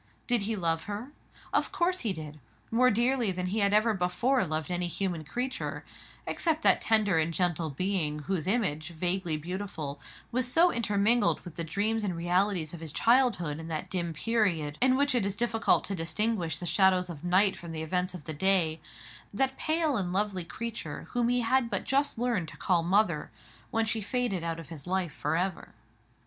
Did he love her? Of course he did: more dearly than he had ever before loved any human creature; except that tender and gentle being, whose image, vaguely beautiful, was so intermingled with the dreams and realities of his childhood in that dim period in which it is difficult to distinguish the shadows of the night from the events of the day,—that pale and lovely creature whom he had but just learned to call "mother," when she faded out of his life for ever.